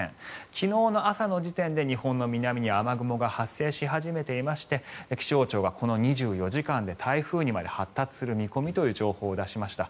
昨日の朝の時点で日本の南に雨雲が発生し始めていまして気象庁はこの２４時間で台風にまで発達する見込みという情報を出しました。